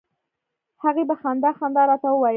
هغې په خندا خندا راته وویل.